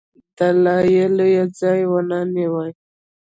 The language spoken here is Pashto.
دلایلو ځای ونه نیوی.